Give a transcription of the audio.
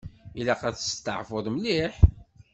Ilaq ad testeɛfuḍ mliḥ.